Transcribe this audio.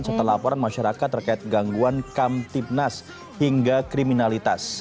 setelah laporan masyarakat terkait gangguan kamtipnas hingga kriminalitas